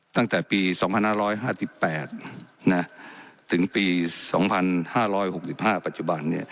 ตั้งแต่ปี๒๕๕๘ถึงปี๒๕๖๕ปัจจุบัน